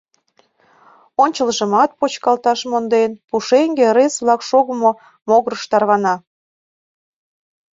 Ончылжымат почкалташ монден, пушеҥге, ырес-влак шогымо могырыш тарвана.